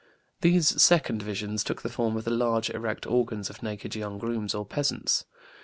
These second visions took the form of the large, erect organs of naked young grooms or peasants.